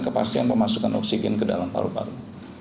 kepastian pemasukan oksigen ke dalam paru paru